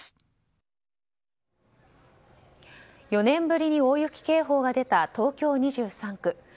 ４年ぶりに大雪警報が出た東京２３区。